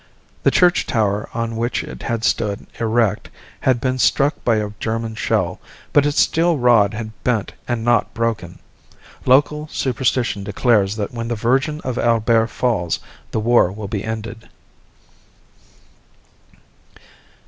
The church tower on which it had once stood erect had been struck by a German shell, but its steel rod had bent and not broken. Local superstition declares that when the Virgin of Albert falls the war will be ended.